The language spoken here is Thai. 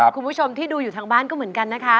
คุณผู้ชมที่ดูอยู่ทางบ้านก็เหมือนกันนะคะ